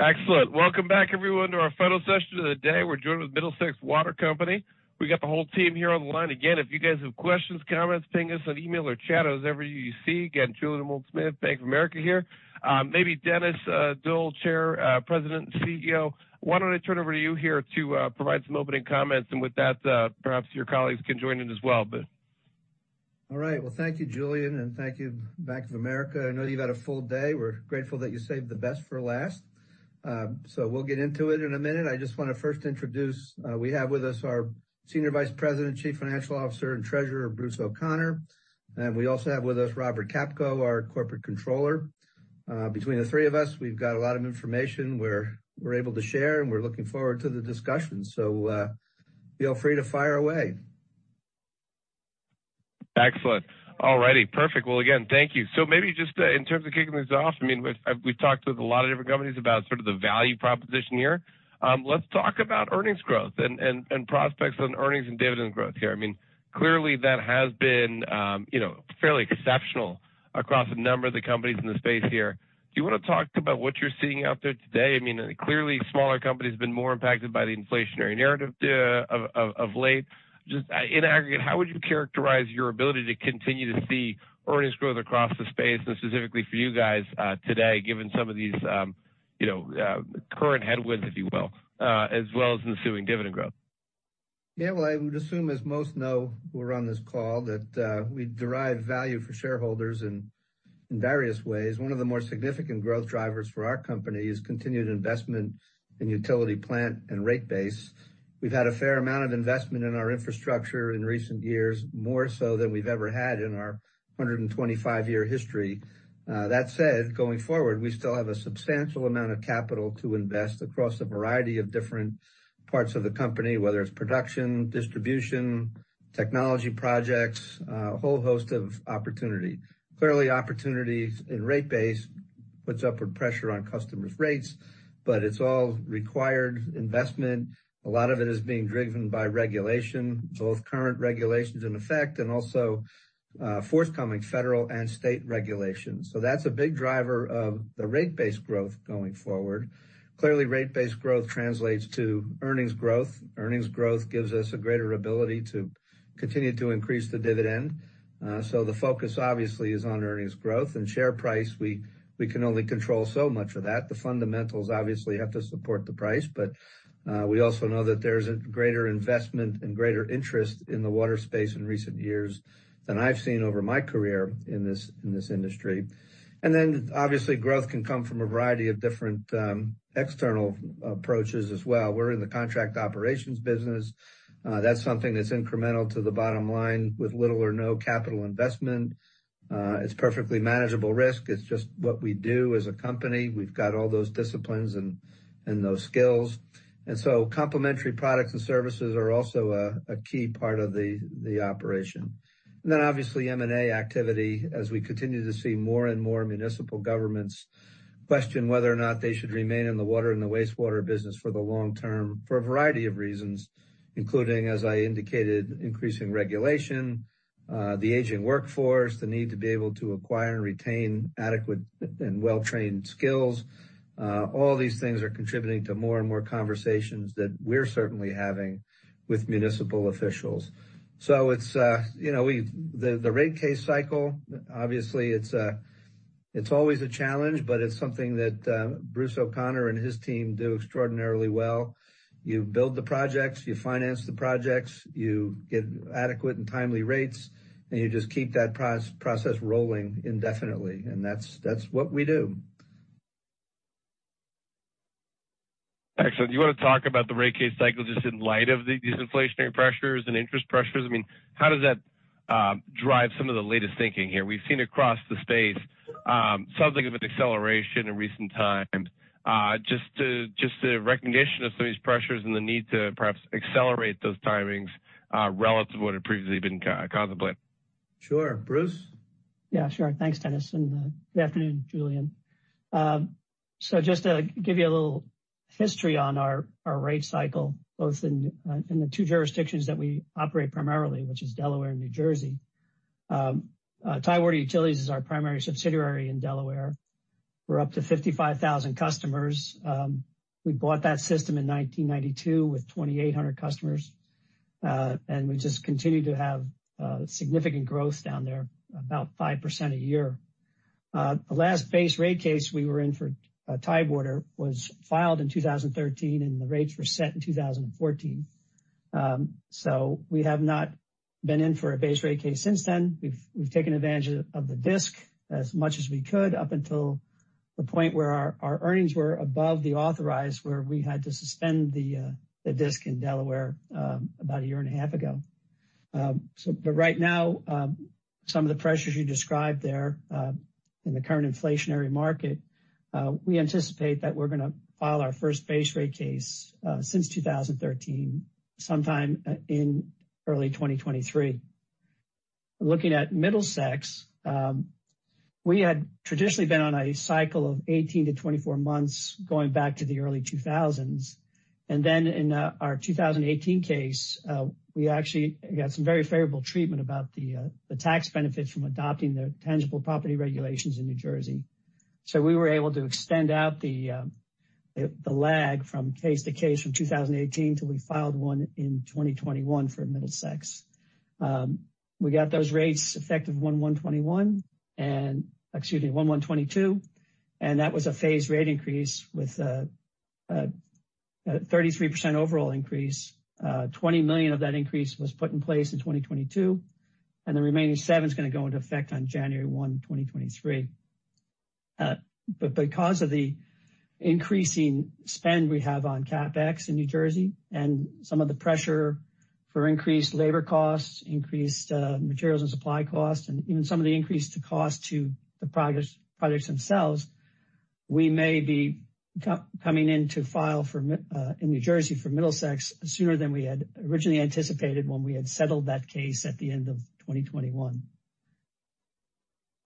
Excellent. Welcome back, everyone, to our final session of the day. We're joined with Middlesex Water Company. We got the whole team here on the line. Again, if you guys have questions, comments, ping us on email or chat, whatever you see. Again, Julien Dumoulin-Smith, Bank of America here. Maybe Dennis Doll, Chair, President, and CEO, why don't I turn it over to you here to provide some opening comments? With that, perhaps your colleagues can join in as well, but... All right. Well, thank you, Julien, and thank you, Bank of America. I know you've had a full day. We're grateful that you saved the best for last. We'll get into it in a minute. I just wanna first introduce, we have with us our Senior Vice President, Chief Financial Officer, and Treasurer, Bruce O'Connor. We also have with us Robert Capko, our Corporate Controller. Between the three of us, we've got a lot of information we're able to share, and we're looking forward to the discussion. Feel free to fire away. Excellent. All righty. Perfect. Well, again, thank you. Maybe just, in terms of kicking this off, I mean, we've talked with a lot of different companies about sort of the value proposition here. Let's talk about earnings growth and prospects on earnings and dividend growth here. I mean, clearly that has been, you know, fairly exceptional across a number of the companies in the space here. Do you wanna talk about what you're seeing out there today? I mean, clearly, smaller companies have been more impacted by the inflationary narrative of late. Just in aggregate, how would you characterize your ability to continue to see earnings growth across the space and specifically for you guys today, given some of these, you know, current headwinds, if you will, as well as ensuing dividend growth? Yeah. Well, I would assume, as most know who are on this call, that, we derive value for shareholders in various ways. One of the more significant growth drivers for our company is continued investment in utility plant and rate base. We've had a fair amount of investment in our infrastructure in recent years, more so than we've ever had in our 125-year history. That said, going forward, we still have a substantial amount of capital to invest across a variety of different parts of the company, whether it's production, distribution, technology projects, a whole host of opportunity. Clearly, opportunities in rate base puts upward pressure on customers' rates, but it's all required investment. A lot of it is being driven by regulation, both current regulations in effect and also, forthcoming federal and state regulations. That's a big driver of the rate-based growth going forward. Clearly, rate-based growth translates to earnings growth. Earnings growth gives us a greater ability to continue to increase the dividend. The focus obviously is on earnings growth. Share price, we can only control so much of that. The fundamentals obviously have to support the price, but we also know that there's a greater investment and greater interest in the water space in recent years than I've seen over my career in this industry. Obviously, growth can come from a variety of different external approaches as well. We're in the contract operations business. That's something that's incremental to the bottom line with little or no capital investment. It's perfectly manageable risk. It's just what we do as a company. We've got all those disciplines and those skills. Complementary products and services are also a key part of the operation. Obviously M&A activity as we continue to see more and more municipal governments question whether or not they should remain in the water and the wastewater business for the long term, for a variety of reasons, including, as I indicated, increasing regulation, the aging workforce, the need to be able to acquire and retain adequate and well-trained skills. All these things are contributing to more and more conversations that we're certainly having with municipal officials. It's, you know, the rate case cycle, obviously it's always a challenge, but it's something that Bruce O'Connor and his team do extraordinarily well. You build the projects. You finance the projects. You get adequate and timely rates, and you just keep that process rolling indefinitely. That's what we do. Excellent. Do you wanna talk about the rate case cycle just in light of these inflationary pressures and interest pressures? I mean, how does that drive some of the latest thinking here? We've seen across the space, something of an acceleration in recent times, just a recognition of some of these pressures and the need to perhaps accelerate those timings, relative to what had previously been contemplated. Sure. Bruce? Yeah, sure. Thanks, Dennis, and good afternoon, Julien. Just to give you a little history on our rate cycle, both in the two jurisdictions that we operate primarily, which is Delaware and New Jersey. Tidewater Utilities is our primary subsidiary in Delaware. We're up to 55,000 customers. We bought that system in 1992 with 2,800 customers, and we just continue to have significant growth down there, about 5% a year. The last base rate case we were in for Tidewater was filed in 2013, and the rates were set in 2014. We have not been in for a base rate case since then. We've taken advantage of the DSIC as much as we could up until the point where our earnings were above the authorized, where we had to suspend the DSIC in Delaware, about a year and a half ago. Right now, some of the pressures you described there, in the current inflationary market, we anticipate that we're gonna file our first base rate case, since 2013, sometime in early 2023. Looking at Middlesex, we had traditionally been on a cycle of 18-24 months, going back to the early 2000s. In our 2018 case, we actually got some very favorable treatment about the tax benefits from adopting the Tangible Property Regulations in New Jersey. We were able to extend out the lag from case to case from 2018 till we filed one in 2021 for Middlesex. We got those rates effective 1/1/202, and that was a phased rate increase with a 33% overall increase. $20 million of that increase was put in place in 2022, and the remaining $7 million is gonna go into effect on January 1, 2023. Because of the increasing spend we have on CapEx in New Jersey and some of the pressure for increased labor costs, increased materials and supply costs, and even some of the increased cost to the projects themselves, we may be coming in to file in New Jersey for Middlesex sooner than we had originally anticipated when we had settled that case at the end of 2021.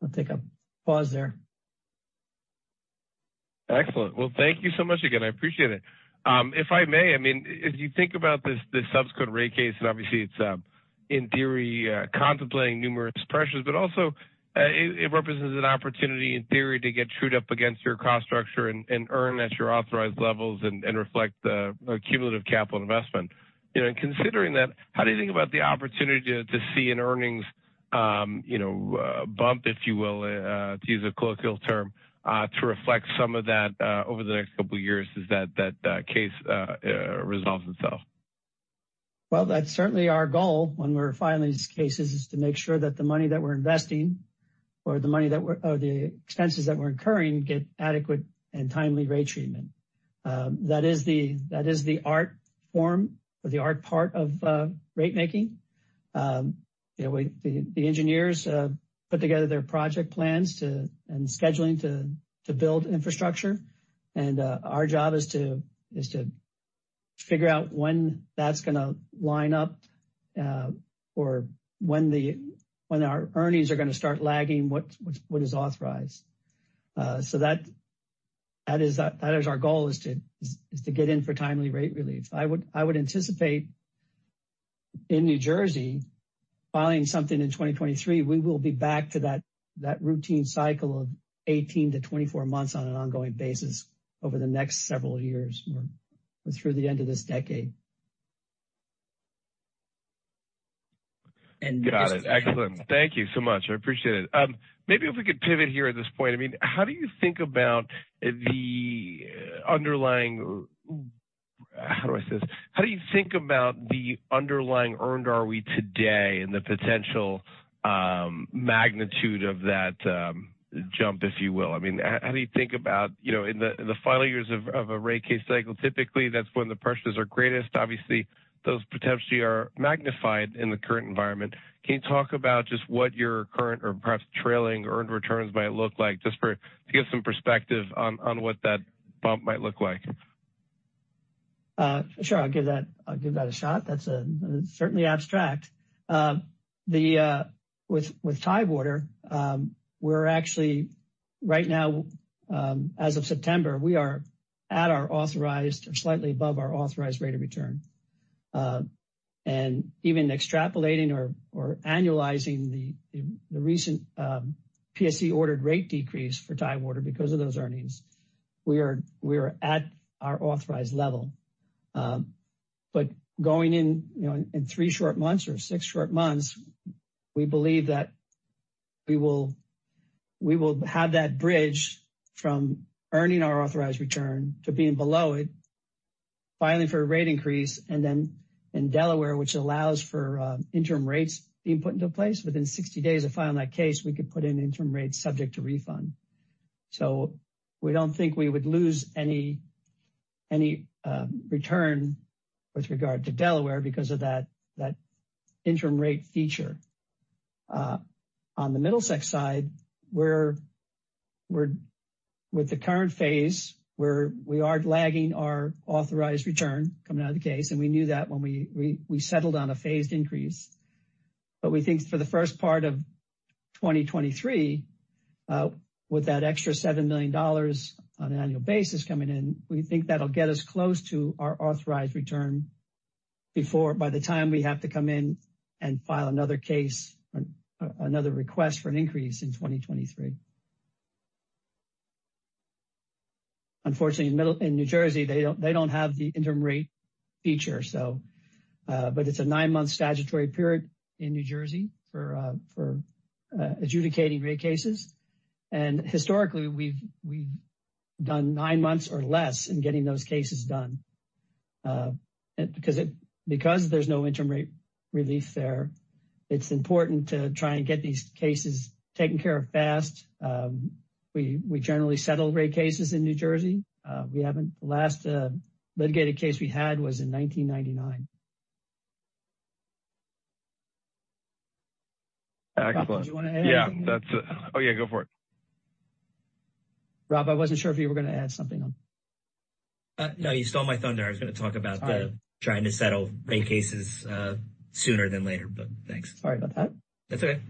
I'll take a pause there. Excellent. Well, thank you so much again. I appreciate it. If I may, I mean, if you think about this sub code rate case, and obviously it's in theory contemplating numerous pressures, but also it represents an opportunity in theory to get trued up against your cost structure and earn at your authorized levels and reflect the accumulative capital investment. You know, in considering that, how do you think about the opportunity to see an earnings, you know, bump, if you will, to use a colloquial term, to reflect some of that over the next couple of years as that case resolves itself? Well, that's certainly our goal when we're filing these cases is to make sure that the money that we're investing or the expenses that we're incurring get adequate and timely rate treatment. That is the art form or the art part of rate making. You know, the engineers put together their project plans and scheduling to build infrastructure. Our job is to figure out when that's gonna line up, or when our earnings are gonna start lagging what's, what is authorized. That is our goal, is to get in for timely rate relief. I would anticipate in New Jersey filing something in 2023, we will be back to that routine cycle of 18-24 months on an ongoing basis over the next several years or through the end of this decade. Got it. Excellent. Thank you so much. I appreciate it. Maybe if we could pivot here at this point. I mean, how do you think about the underlying earned are we today and the potential, magnitude of that, jump, if you will? I mean, how do you think about, you know, in the final years of a rate case cycle, typically, that's when the pressures are greatest. Obviously, those potentially are magnified in the current environment. Can you talk about just what your current or perhaps trailing earned returns might look like, just to give some perspective on what that bump might look like? Sure. I'll give that a shot. That's certainly abstract. With Tidewater, we're actually right now, as of September, we are at our authorized or slightly above our authorized rate of return. Even extrapolating or annualizing the recent PSC ordered rate decrease for Tidewater because of those earnings, we are at our authorized level. Going in, you know, in three short months or six short months, we believe that we will have that bridge from earning our authorized return to being below it, filing for a rate increase. In Delaware, which allows for interim rates being put into place within 60 days of filing that case, we could put in interim rates subject to refund. We don't think we would lose any return with regard to Delaware because of that interim rate feature. On the Middlesex side, with the current phase, we are lagging our authorized return coming out of the case, and we knew that when we settled on a phased increase. We think for the first part of 2023, with that extra $7 million on an annual basis coming in, we think that'll get us close to our authorized return by the time we have to come in and file another case or another request for an increase in 2023. Unfortunately, in New Jersey, they don't have the interim rate feature. it's a 9-month statutory period in New Jersey for adjudicating rate cases. Historically, we've done nine months or less in getting those cases done. Because there's no interim rate relief there, it's important to try and get these cases taken care of fast. We generally settle rate cases in New Jersey. We haven't. The last litigated case we had was in 1999. Excellent. Rob, did you wanna add anything? Yeah. That's... Oh, yeah, go for it. Rob, I wasn't sure if you were gonna add something on. No, you stole my thunder. I was gonna talk about. All right. -trying to settle rate cases, sooner than later, but thanks. Sorry about that. That's okay.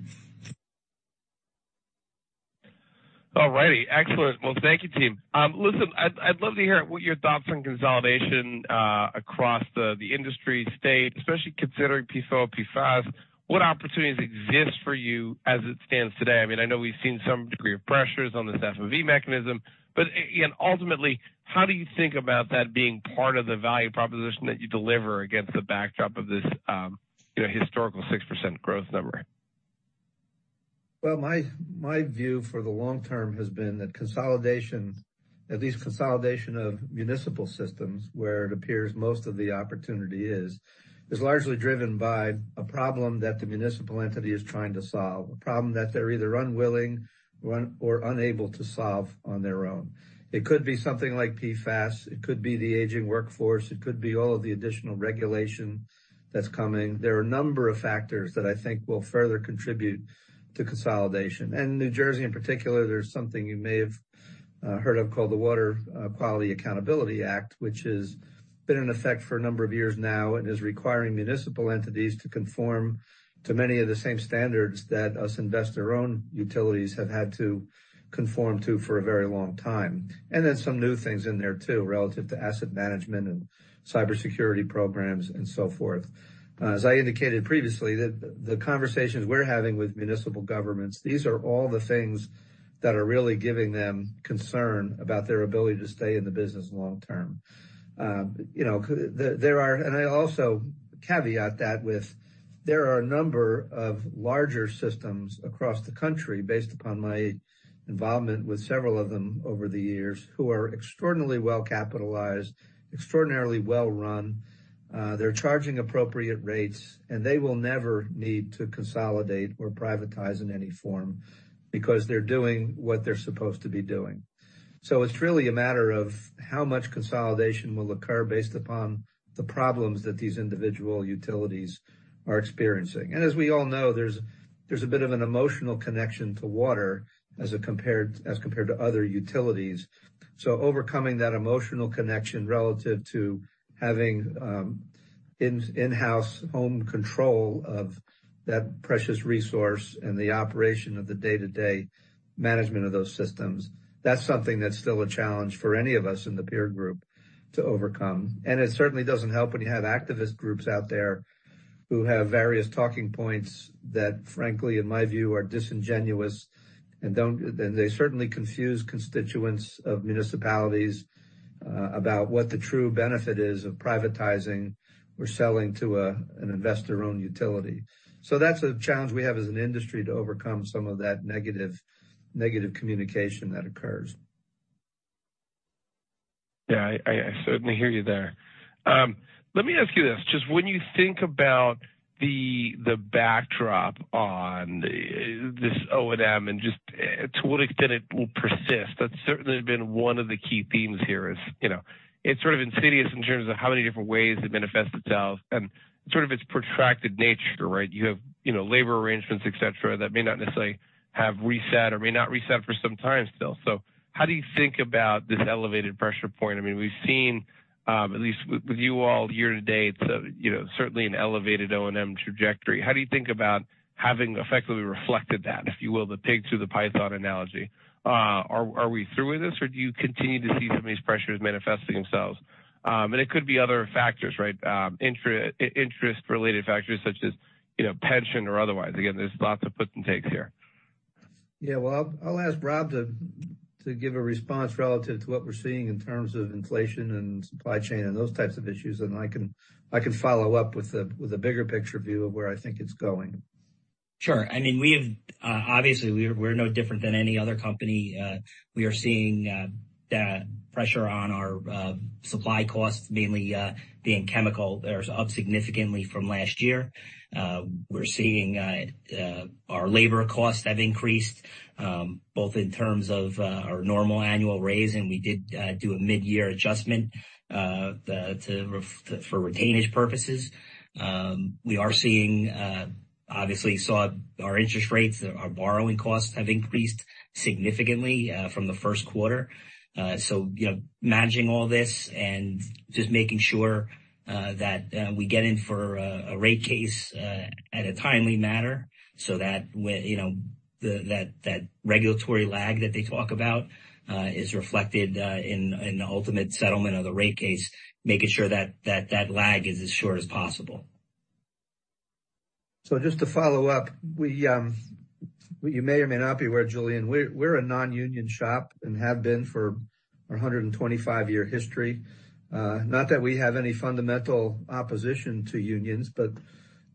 All righty. Excellent. Well, thank you, team. Listen, I'd love to hear what your thoughts on consolidation across the industry state, especially considering PFOA, PFAS. What opportunities exist for you as it stands today? I mean, I know we've seen some degree of pressures on this FEV mechanism, and ultimately, how do you think about that being part of the value proposition that you deliver against the backdrop of this, you know, historical 6% growth number? My view for the long term has been that consolidation, at least consolidation of municipal systems, where it appears most of the opportunity is largely driven by a problem that the municipal entity is trying to solve, a problem that they're either unwilling or unable to solve on their own. It could be something like PFAS. It could be the aging workforce. It could be all of the additional regulation that's coming. There are a number of factors that I think will further contribute to consolidation. New Jersey, in particular, there's something you may have heard of called the Water Quality Accountability Act, which has been in effect for a number of years now and is requiring municipal entities to conform to many of the same standards that us investor-owned utilities have had to conform to for a very long time. Some new things in there too, relative to asset management and cybersecurity programs and so forth. As I indicated previously, the conversations we're having with municipal governments, these are all the things that are really giving them concern about their ability to stay in the business long term. You know, I caveat that with, there are a number of larger systems across the country, based upon my involvement with several of them over the years, who are extraordinarily well-capitalized, extraordinarily well-run. They're charging appropriate rates, and they will never need to consolidate or privatize in any form because they're doing what they're supposed to be doing. It's really a matter of how much consolidation will occur based upon the problems that these individual utilities are experiencing. As we all know, there's a bit of an emotional connection to water as compared to other utilities. Overcoming that emotional connection relative to having in-house own control of that precious resource and the operation of the day-to-day management of those systems, that's something that's still a challenge for any of us in the peer group to overcome. It certainly doesn't help when you have activist groups out there who have various talking points that, frankly, in my view, are disingenuous and don't they certainly confuse constituents of municipalities about what the true benefit is of privatizing or selling to an investor-owned utility. That's a challenge we have as an industry to overcome some of that negative communication that occurs. Yeah. I certainly hear you there. Let me ask you this. Just when you think about the backdrop on this O&M and just to what extent it will persist, that's certainly been one of the key themes here is, you know, it's sort of insidious in terms of how many different ways it manifests itself and sort of its protracted nature, right? You have, you know, labor arrangements, et cetera, that may not necessarily have reset or may not reset for some time still. How do you think about this elevated pressure point? I mean, we've seen, at least with you all year to date, you know, certainly an elevated O&M trajectory. How do you think about having effectively reflected that, if you will, the pig in the python analogy? Are we through with this, or do you continue to see some of these pressures manifesting themselves? It could be other factors, right? Interest related factors such as, you know, pension or otherwise. Again, there's lots of puts and takes here. Well, I'll ask Rob to give a response relative to what we're seeing in terms of inflation and supply chain and those types of issues, and I can follow up with the bigger picture view of where I think it's going. Sure. I mean, obviously, we're no different than any other company. We are seeing that pressure on our supply costs, mainly being chemical. They're up significantly from last year. We're seeing our labor costs have increased, both in terms of our normal annual raise, and we did do a mid-year adjustment to for retainage purposes. We are seeing obviously saw our interest rates, our borrowing costs have increased significantly from the first quarter. You know, managing all this and just making sure that we get in for a rate case at a timely manner so that when, you know, that regulatory lag that they talk about is reflected in the ultimate settlement of the rate case, making sure that lag is as short as possible. Just to follow up, we, you may or may not be aware, Julien, we're a non-union shop and have been for our 125-year history. Not that we have any fundamental opposition to unions, but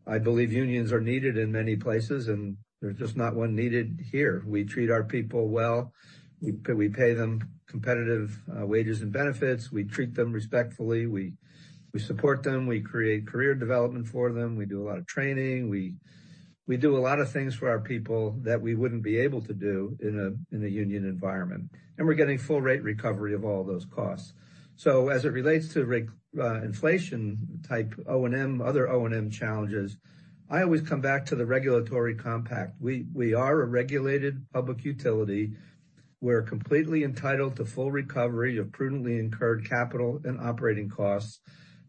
I believe unions are needed in many places, and there's just not one needed here. We treat our people well. We pay them competitive wages and benefits. We treat them respectfully. We support them. We create career development for them. We do a lot of training. We do a lot of things for our people that we wouldn't be able to do in a union environment. We're getting full rate recovery of all those costs. As it relates to inflation type O&M, other O&M challenges, I always come back to the regulatory compact. We are a regulated public utility. We're completely entitled to full recovery of prudently incurred capital and operating costs.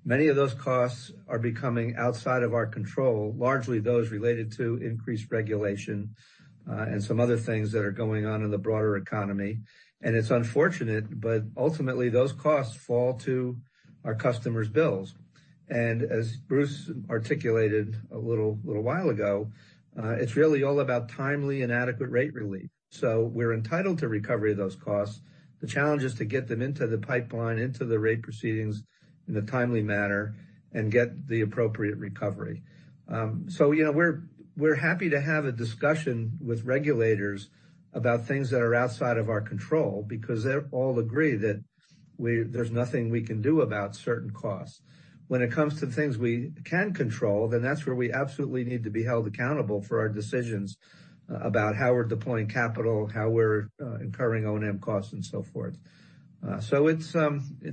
Many of those costs are becoming outside of our control, largely those related to increased regulation, and some other things that are going on in the broader economy. It's unfortunate, but ultimately those costs fall to our customers' bills. As Bruce articulated a little while ago, it's really all about timely and adequate rate relief. We're entitled to recovery of those costs. The challenge is to get them into the pipeline, into the rate proceedings in a timely manner and get the appropriate recovery. You know, we're happy to have a discussion with regulators about things that are outside of our control because they all agree that there's nothing we can do about certain costs. When it comes to things we can control, then that's where we absolutely need to be held accountable for our decisions about how we're deploying capital, how we're incurring O&M costs and so forth. It's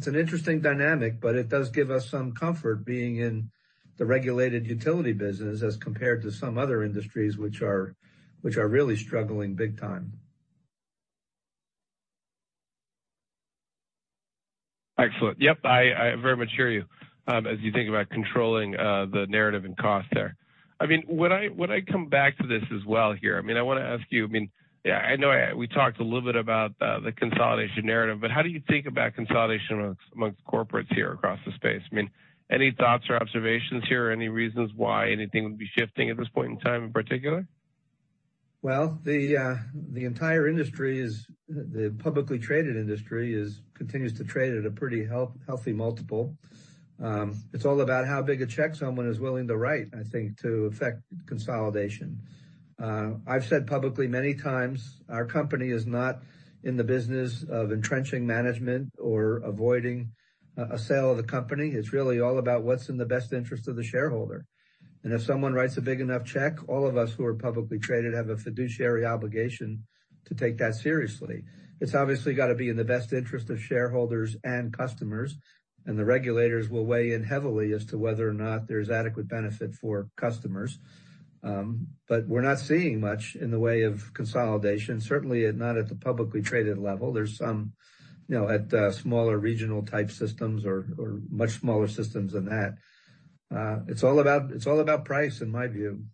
an interesting dynamic, but it does give us some comfort being in the regulated utility business as compared to some other industries which are really struggling big time. Excellent. Yep, I very much hear you, as you think about controlling the narrative and cost there. I mean, when I come back to this as well here, I mean, I wanna ask you, I mean, yeah, I know we talked a little bit about the consolidation narrative, but how do you think about consolidation amongst corporates here across the space? I mean, any thoughts or observations here? Any reasons why anything would be shifting at this point in time in particular? Well, the entire industry continues to trade at a pretty health-healthy multiple. It's all about how big a check someone is willing to write, I think, to affect consolidation. I've said publicly many times our company is not in the business of entrenching management or avoiding a sale of the company. It's really all about what's in the best interest of the shareholder. If someone writes a big enough check, all of us who are publicly traded have a fiduciary obligation to take that seriously. It's obviously got to be in the best interest of shareholders and customers, and the regulators will weigh in heavily as to whether or not there's adequate benefit for customers. We're not seeing much in the way of consolidation, certainly not at the publicly traded level. There's some, you know, at smaller regional type systems or much smaller systems than that. It's all about price in my view.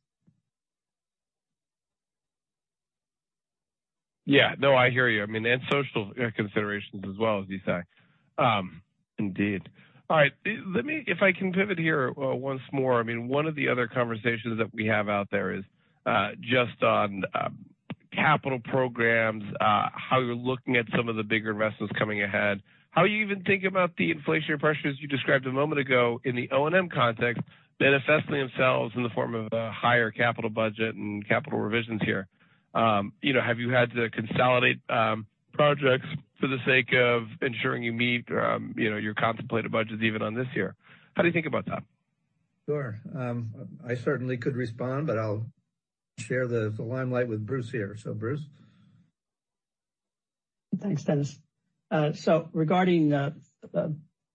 No, I hear you. I mean, and social considerations as well, as you say. Indeed. Let me if I can pivot here once more. I mean, one of the other conversations that we have out there is just on capital programs, how you're looking at some of the bigger investments coming ahead. How you even think about the inflationary pressures you described a moment ago in the O&M context manifesting themselves in the form of a higher capital budget and capital revisions here. You know, have you had to consolidate projects for the sake of ensuring you meet, you know, your contemplated budgets even on this year? How do you think about that? Sure. I certainly could respond, but I'll share the limelight with Bruce here. Bruce. Thanks, Dennis. Regarding the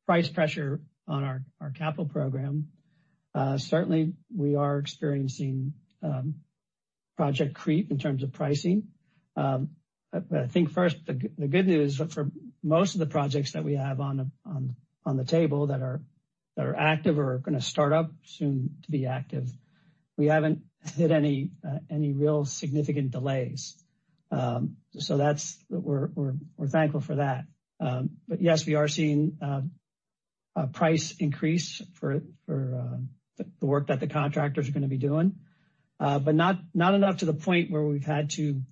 price pressure on our capital program, certainly we are experiencing project creep in terms of pricing. I think first the good news for most of the projects that we have on the table that are active or are gonna start up soon to be active, we haven't hit any real significant delays. We're thankful for that. Yes, we are seeing a price increase for the work that the contractors are gonna be doing. Not enough to the point where we've had to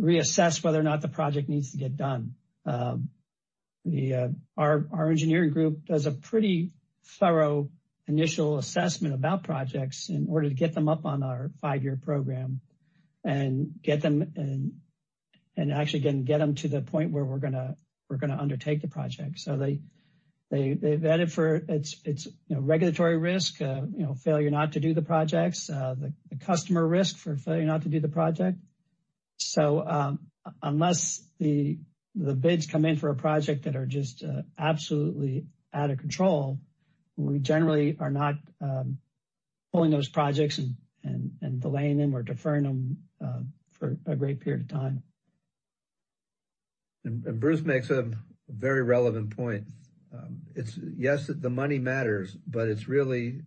reassess whether or not the project needs to get done. Our engineering group does a pretty thorough initial assessment about projects in order to get them up on our five-year program and get them, and actually, again, get them to the point where we're gonna undertake the project. They vet it for its, you know, regulatory risk, you know, failure not to do the projects, the customer risk for failure not to do the project. Unless the bids come in for a project that are just absolutely out of control, we generally are not pulling those projects and delaying them or deferring them for a great period of time. Bruce makes a very relevant point. Yes, the money matters, but it's really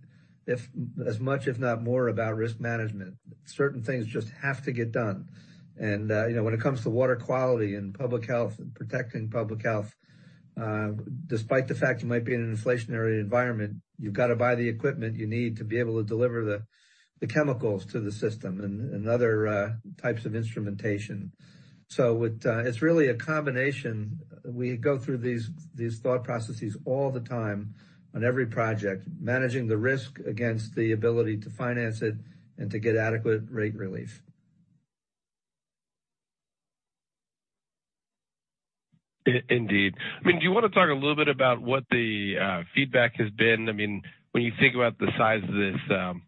as much, if not more, about risk management. Certain things just have to get done. You know, when it comes to water quality and public health and protecting public health, despite the fact you might be in an inflationary environment, you've got to buy the equipment you need to be able to deliver the chemicals to the system and other types of instrumentation. It's really a combination. We go through these thought processes all the time on every project, managing the risk against the ability to finance it and to get adequate rate relief. Indeed. Do you want to talk a little bit about what the feedback has been? When you think about the size of this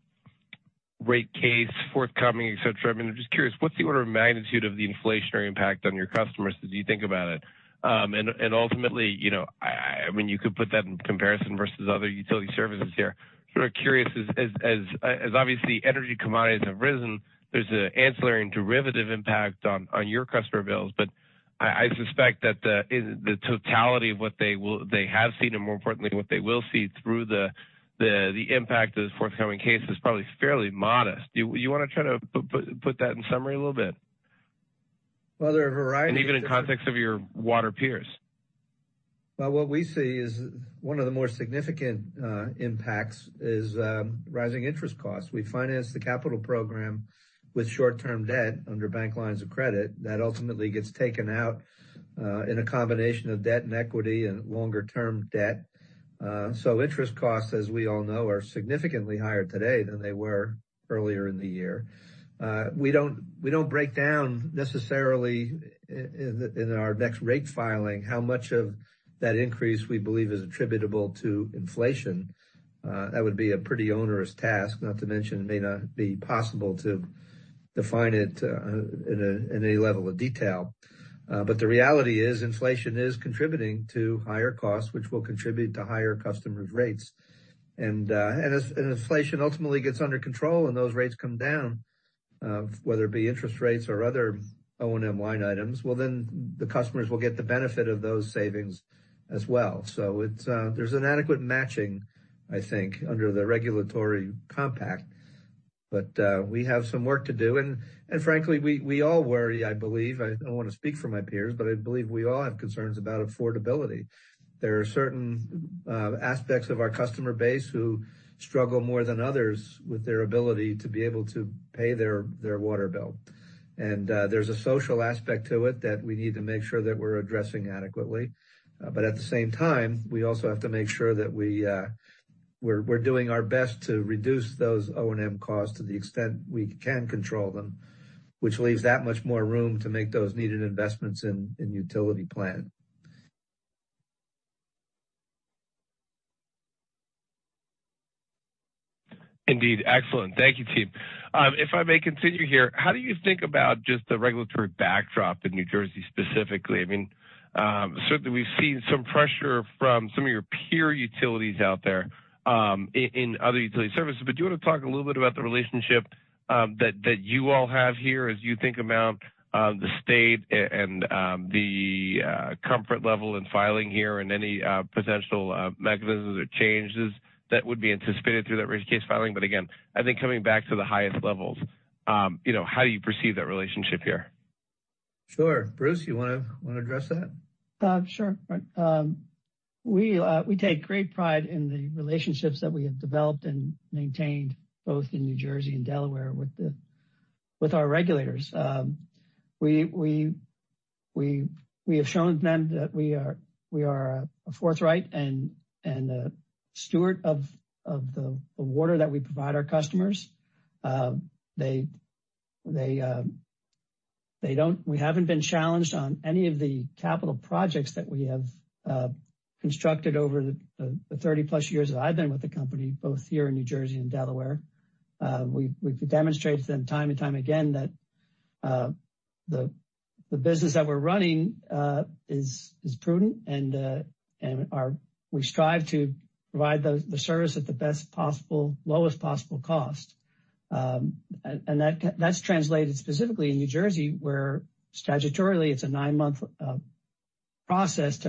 Rate case forthcoming, et cetera. I'm just curious, what's the order of magnitude of the inflationary impact on your customers as you think about it? And ultimately, you know, I mean, you could put that in comparison versus other utility services here. Sort of curious as obviously energy commodities have risen, there's an ancillary and derivative impact on your customer bills. I suspect that the, in the totality of what they have seen, and more importantly, what they will see through the impact of this forthcoming case is probably fairly modest. Do you wanna try to put that in summary a little bit? Well, there are a variety of. Even in context of your water peers. What we see is one of the more significant impacts is rising interest costs. We finance the capital program with short-term debt under bank lines of credit that ultimately gets taken out in a combination of debt and equity and longer-term debt. Interest costs, as we all know, are significantly higher today than they were earlier in the year. We don't break down necessarily in our next rate filing how much of that increase we believe is attributable to inflation. That would be a pretty onerous task, not to mention it may not be possible to define it in any level of detail. The reality is inflation is contributing to higher costs, which will contribute to higher customers' rates. Inflation ultimately gets under control and those rates come down, whether it be interest rates or other O&M line items, well, then the customers will get the benefit of those savings as well. It's, there's an adequate matching, I think, under the regulatory compact, but we have some work to do. Frankly, we all worry, I believe. I don't wanna speak for my peers, but I believe we all have concerns about affordability. There are certain aspects of our customer base who struggle more than others with their ability to be able to pay their water bill. There's a social aspect to it that we need to make sure that we're addressing adequately. At the same time, we also have to make sure that we're doing our best to reduce those O&M costs to the extent we can control them, which leaves that much more room to make those needed investments in utility plan. Indeed. Excellent. Thank you, team. If I may continue here, how do you think about just the regulatory backdrop in New Jersey specifically? I mean, certainly we've seen some pressure from some of your peer utilities out there, in other utility services. Do you wanna talk a little bit about the relationship that you all have here as you think about the state and the comfort level in filing here and any potential mechanisms or changes that would be anticipated through that rate case filing? Again, I think coming back to the highest levels, you know, how do you perceive that relationship here? Sure. Bruce, you wanna address that? Sure. We take great pride in the relationships that we have developed and maintained both in New Jersey and Delaware with our regulators. We have shown them that we are a forthright and a steward of the water that we provide our customers. They haven't been challenged on any of the capital projects that we have constructed over the 30-plus years that I've been with the company, both here in New Jersey and Delaware. We've demonstrated to them time and time again that the business that we're running is prudent and we strive to provide the service at the best possible, lowest possible cost. That, that's translated specifically in New Jersey, where statutorily it's a 9-month process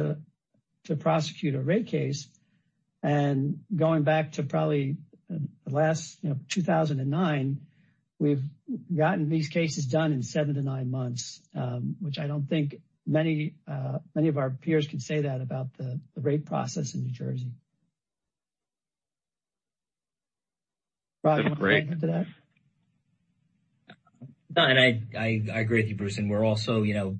to prosecute a rate case. Going back to probably, the last, you know, 2009, we've gotten these cases done in 7-9 months, which I don't think many of our peers can say that about the rate process in New Jersey. Rob, you wanna comment to that? Great. I agree with you, Bruce, and we're also, you know,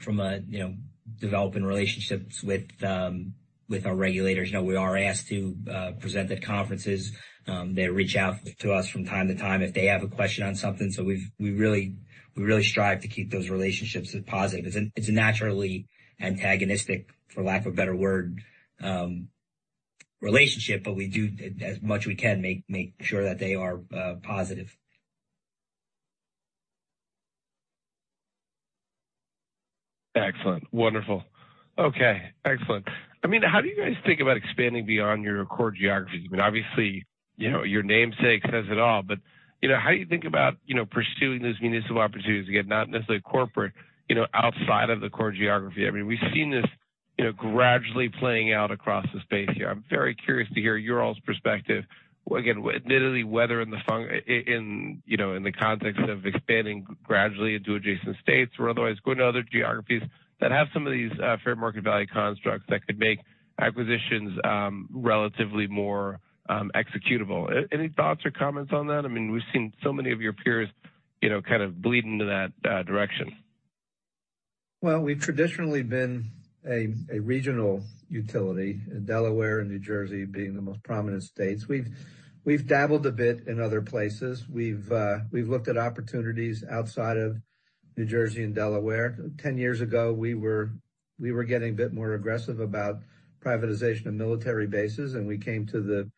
from a, you know, developing relationships with our regulators. You know, we are asked to present at conferences. They reach out to us from time to time if they have a question on something. We really strive to keep those relationships positive. It's a, it's a naturally antagonistic, for lack of a better word, relationship, but we do as much we can, make sure that they are positive. Excellent. Wonderful. Okay, excellent. I mean, how do you guys think about expanding beyond your core geographies? I mean, obviously, you know, your namesake says it all, but, you know, how do you think about, you know, pursuing these municipal opportunities, again, not necessarily corporate, you know, outside of the core geography? I mean, we've seen this, you know, gradually playing out across the space here. I'm very curious to hear your all's perspective. Again, admittedly, whether in the context of expanding gradually into adjacent states or otherwise going to other geographies that have some of these fair market value constructs that could make acquisitions relatively more executable. Any thoughts or comments on that? I mean, we've seen so many of your peers, you know, kind of bleed into that direction. Well, we've traditionally been a regional utility, Delaware and New Jersey being the most prominent states. We've dabbled a bit in other places. We've looked at opportunities outside of New Jersey and Delaware. 10 years ago, we were getting a bit more aggressive about privatization of military bases. We came to the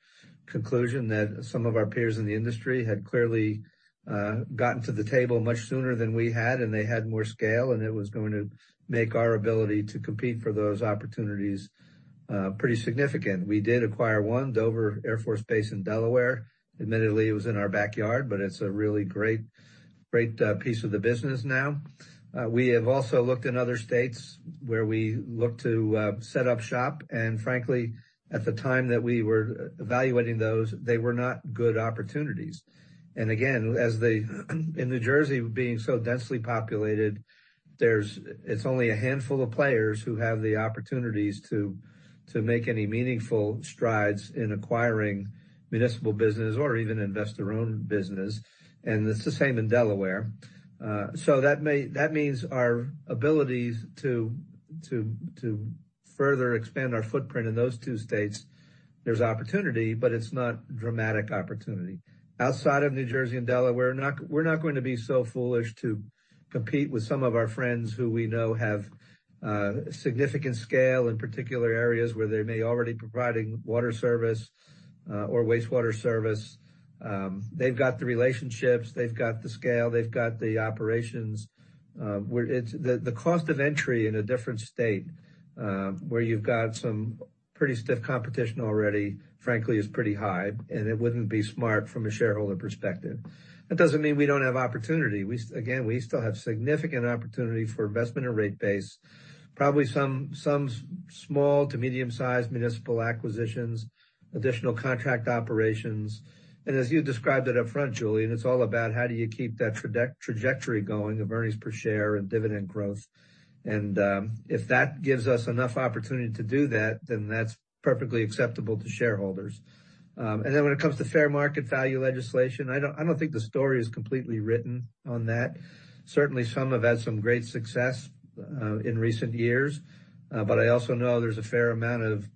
conclusion that some of our peers in the industry had clearly gotten to the table much sooner than we had. They had more scale, and it was going to make our ability to compete for those opportunities pretty significant. We did acquire one, Dover Air Force Base in Delaware. Admittedly, it was in our backyard, but it's a really great piece of the business now. We have also looked in other states where we look to set up shop. Frankly, at the time that we were evaluating those, they were not good opportunities. Again, in New Jersey, being so densely populated, it's only a handful of players who have the opportunities to make any meaningful strides in acquiring municipal business or even investor-owned business. It's the same in Delaware. That means our abilities to further expand our footprint in those two states, there's opportunity, but it's not dramatic opportunity. Outside of New Jersey and Delaware, we're not going to be so foolish to compete with some of our friends who we know have significant scale in particular areas where they may already providing water service or wastewater service. They've got the relationships, they've got the scale, they've got the operations. where the cost of entry in a different state, where you've got some pretty stiff competition already, frankly, is pretty high, and it wouldn't be smart from a shareholder perspective. That doesn't mean we don't have opportunity. Again, we still have significant opportunity for investment and rate base, probably some small to medium-sized municipal acquisitions, additional contract operations. As you described it up front, Julien, it's all about how do you keep that trajectory going of earnings per share and dividend growth. If that gives us enough opportunity to do that, then that's perfectly acceptable to shareholders. When it comes to fair market value legislation, I don't, I don't think the story is completely written on that. Certainly, some have had some great success in recent years. I also know there's a fair amount of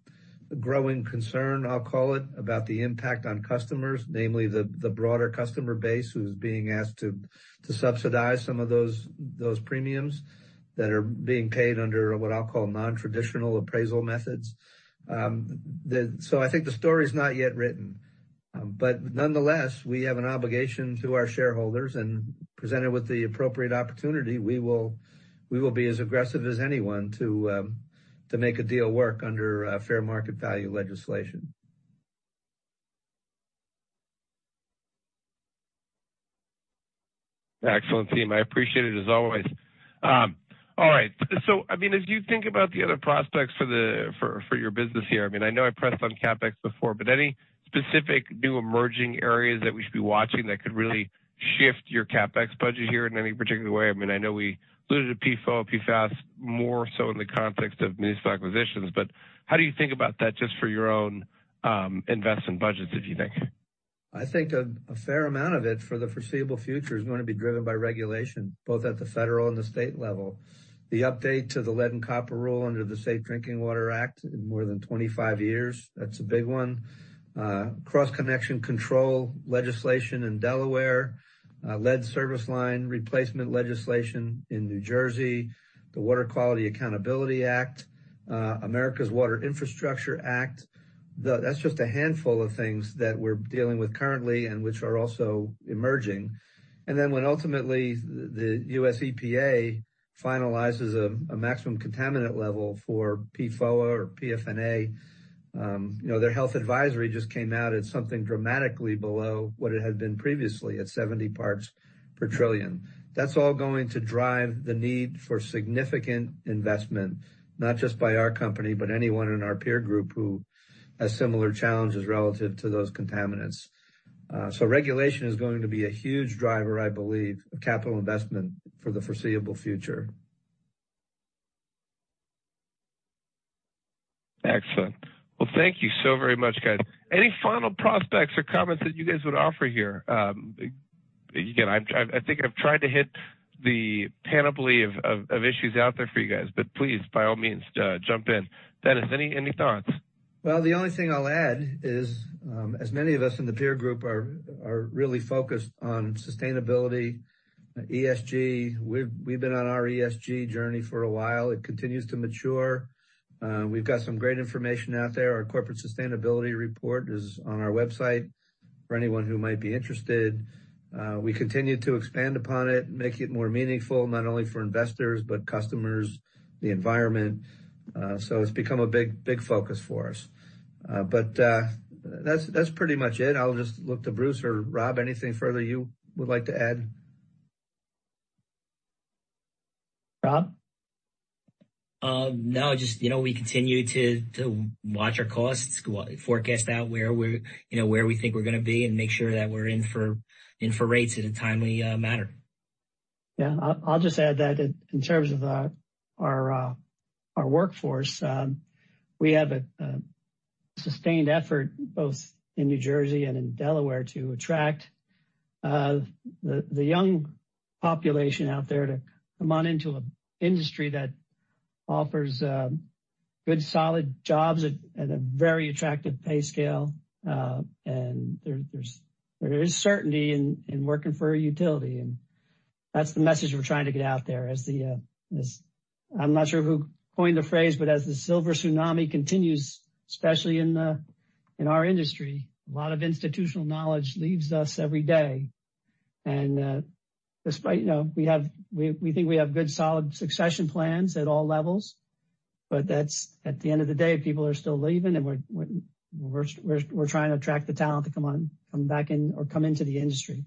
growing concern, I'll call it, about the impact on customers, namely the broader customer base who's being asked to subsidize some of those premiums that are being paid under what I'll call nontraditional appraisal methods. I think the story is not yet written. Nonetheless, we have an obligation to our shareholders, and presented with the appropriate opportunity, we will be as aggressive as anyone to make a deal work under a fair market value legislation. Excellent, team. I appreciate it as always. All right. I mean, as you think about the other prospects for your business here, I mean, I know I pressed on CapEx before. Any specific new emerging areas that we should be watching that could really shift your CapEx budget here in any particular way? I mean, I know we alluded to PFOA, PFAS more so in the context of municipal acquisitions. How do you think about that just for your own investment budgets, as you think? I think a fair amount of it for the foreseeable future is gonna be driven by regulation, both at the federal and the state level. The update to the Lead and Copper Rule under the Safe Drinking Water Act in more than 25 years, that's a big one. Cross-Connection Control legislation in Delaware, lead service line replacement legislation in New Jersey, the Water Quality Accountability Act, America's Water Infrastructure Act. That's just a handful of things that we're dealing with currently and which are also emerging. When ultimately the U.S. EPA finalizes a maximum contaminant level for PFOA or PFNA. You know, their health advisory just came out at something dramatically below what it had been previously at 70 parts per trillion. That's all going to drive the need for significant investment, not just by our company, but anyone in our peer group who has similar challenges relative to those contaminants. Regulation is going to be a huge driver, I believe, of capital investment for the foreseeable future. Excellent. Well, thank you so very much, guys. Any final prospects or comments that you guys would offer here? Again, I think I've tried to hit the panoply of issues out there for you guys, but please, by all means, jump in. Dennis, any thoughts? The only thing I'll add is, as many of us in the peer group are really focused on sustainability, ESG. We've been on our ESG journey for a while. It continues to mature. We've got some great information out there. Our corporate sustainability report is on our website for anyone who might be interested. We continue to expand upon it, make it more meaningful, not only for investors, but customers, the environment. It's become a big focus for us. That's pretty much it. I'll just look to Bruce or Rob. Anything further you would like to add? Rob? No, just, you know, we continue to watch our costs, forecast out where we're, you know, where we think we're gonna be and make sure that we're in for rates in a timely manner. I'll just add that in terms of our workforce, we have a sustained effort both in New Jersey and in Delaware to attract the young population out there to come on into an industry that offers good, solid jobs at a very attractive pay scale. There is certainty in working for a utility, and that's the message we're trying to get out there I'm not sure who coined the phrase, but as the silver tsunami continues, especially in our industry, a lot of institutional knowledge leaves us every day. Despite, you know, we think we have good, solid succession plans at all levels, but at the end of the day, people are still leaving, and we're trying to attract the talent to come on, come back in or come into the industry.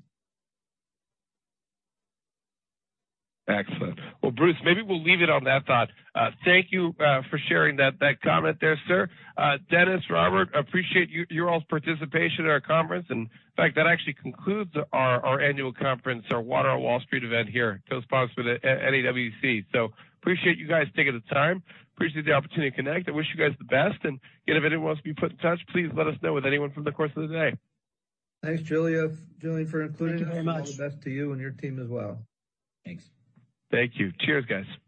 Excellent. Well, Bruce, maybe we'll leave it on that thought. Thank you for sharing that comment there, sir. Dennis, Robert, appreciate your all's participation in our conference. In fact, that actually concludes our annual conference, our Water on Wall Street event here, co-sponsored with NAWC. Appreciate you guys taking the time. Appreciate the opportunity to connect. I wish you guys the best. You know, if anyone wants to be put in touch, please let us know with anyone from the course of the day. Thanks, Julien, for including me. Thank you very much. All the best to you and your team as well. Thanks. Thank you. Cheers, guys.